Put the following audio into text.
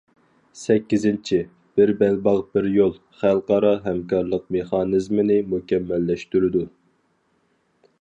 سەككىزىنچى،« بىر بەلباغ، بىر يول» خەلقئارا ھەمكارلىق مېخانىزمىنى مۇكەممەللەشتۈرىدۇ.